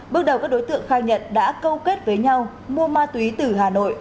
bước đầu các đối tượng khai nhận đã câu kết với nhau mua ma túy từ hà nội